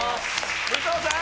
武藤さん！